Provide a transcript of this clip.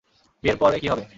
বিয়ের পরে কী হবে?